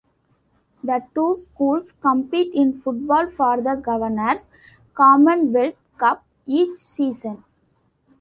The two schools compete in football for the Governor's "Commonwealth Cup" each season.